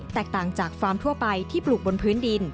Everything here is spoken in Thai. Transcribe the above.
แตกต่างจากฟาร์มทั่วไปที่ปลูกบนพื้นดิน